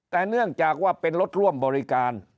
แต่เนื่องจากว่าเป็นรถร่วมบริการ